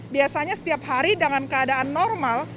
biasanya setiap hari dengan keadaan normal